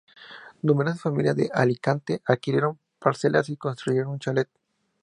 Numerosas familias de Alicante adquirieron parcelas y construyeron un chalet.